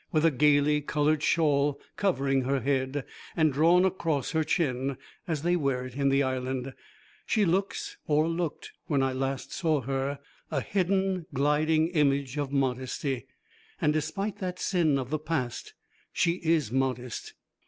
With a gaily coloured shawl covering her head, and drawn across her chin, as they wear it in the Island, she looks, or looked when I last saw her, a hidden, gliding image of modesty. And despite that sin of the past she is modest.